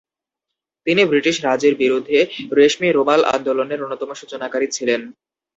তিনি ব্রিটিশ রাজের বিরূদ্ধে রেশমি রুমাল আন্দোলনের অন্যতম সূচনাকারী ছিলেন।